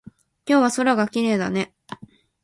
今日は空がきれいだね。